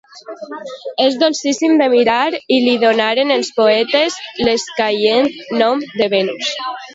És dolcíssim de mirar, i li donaren els poetes l'escaient nom de Venus.